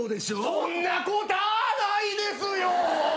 そんなこたぁないですよ！